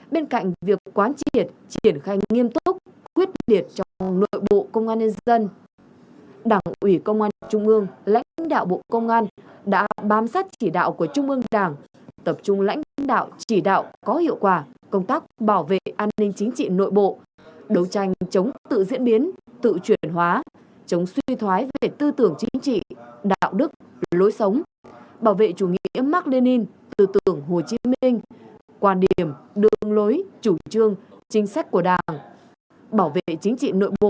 bên cạnh việc quán triệt triển khai nghiêm túc quyết liệt trong nội bộ công an nhân dân đảng ủy công an trung ương lãnh đạo bộ công an đã bám sát chỉ đạo của trung ương đảng tập trung lãnh đạo chỉ đạo có hiệu quả công tác bảo vệ an ninh chính trị nội bộ đấu tranh chống tự diễn biến tự chuyển hóa chống suy thoái về tư tưởng chính trị đạo đức lối sống bảo vệ chủ nghĩa mark lenin tư tưởng hồ chí minh